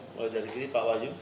boleh jadi gini pak wayu